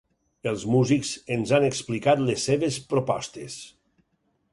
Els músics ens han explicat les seves propostes.